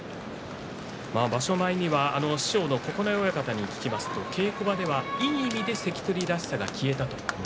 場所前に師匠の九重親方に聞きますと稽古場ではいい意味で関取らしさが消えたと。